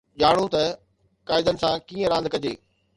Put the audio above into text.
ڄاڻو ته قاعدن سان ڪيئن راند ڪجي